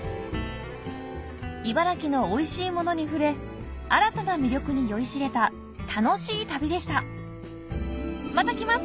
茨城のおいしいものに触れ新たな魅力に酔いしれた楽しい旅でしたまた来ます